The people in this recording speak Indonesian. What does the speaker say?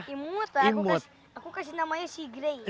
imut lah aku kasih namanya si grey